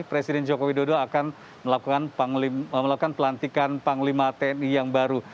presiden joko widodo akan melakukan pelantikan panglima tni yang baru